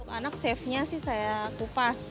anak safe nya sih saya kupas